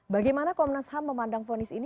bagaimana komnas ham memandang fonis ini